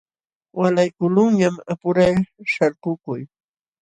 Waalaykuqlunñam apuray shalkukuy.